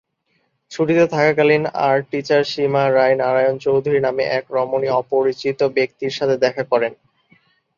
ছুটিতে থাকাকালীন, art teacher Seema Rai Narayan Chowdhury নামে এক কমনীয় অপরিচিত ব্যক্তির সাথে দেখা করেন।